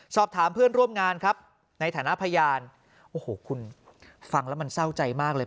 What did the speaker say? สอบถามเพื่อนร่วมงานครับในฐานะพยานโอ้โหคุณฟังแล้วมันเศร้าใจมากเลย